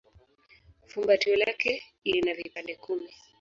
Fumbatio lake lina vipande kumi.